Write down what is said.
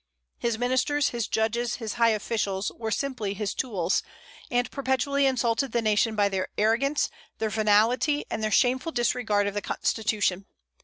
His ministers, his judges, his high officials were simply his tools, and perpetually insulted the nation by their arrogance, their venality, and their shameful disregard of the Constitution.